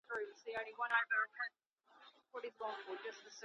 آیا د نویو معلوماتو لټون د پوهې لاره ده؟